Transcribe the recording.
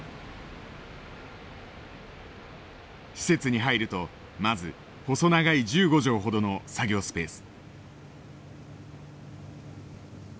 施設に入るとまず細長い１５畳ほどの作業スペース。